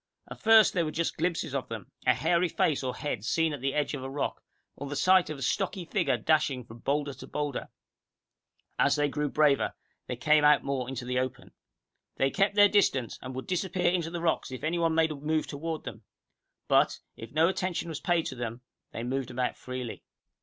At first there were just glimpses of them, a hairy face or head seen at the edge of a rock, or the sight of a stocky figure dashing from boulder to boulder. As they grew braver, they came out more into the open. They kept their distance, and would disappear into the rocks if anyone made a move toward them, but, if no attention was paid them, they moved about freely.